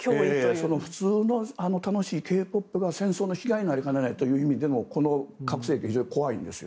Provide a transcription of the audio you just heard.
その普通の楽しいＫ−ＰＯＰが戦争の火種になりかねないということでこの拡声器は非常に怖いんですよ。